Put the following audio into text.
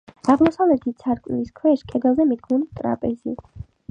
აღმოსავლეთით სარკმლის ქვეშ, კედელზე, მიდგმულია ტრაპეზი.